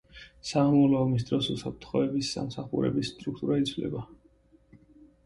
სამამულო ომის დროს უსაფრთხოების სამსახურების სტრუქტურა იცვლება.